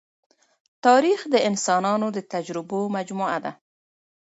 تاریخ د انسانانو د تجربو مجموعه ده.